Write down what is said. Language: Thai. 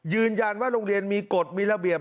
ยืนยันว่าโรงเรียนมีกฎมีระเบียบ